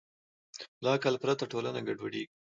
له عقل پرته ټولنه ګډوډېږي.